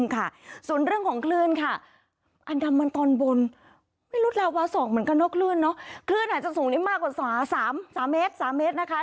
คลื่นอาจจะสูงได้มากกว่าสามเมตรนะคะ